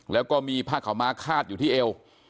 แล้วก็มีผ้าขาวม้าคาดอยู่ที่เอว